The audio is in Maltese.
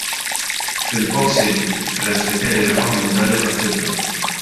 Fil-Boxing, Brent Spiteri rebaħ il-midalja tal-fidda.